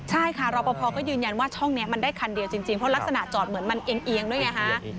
ใช่ค่ะรอปภก็ยืนยันว่าช่องนี้มันได้คันเดียวจริงเพราะลักษณะจอดเหมือนมันเอียงด้วยไงฮะ